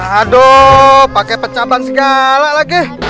aduh pakai pencabang segala lagi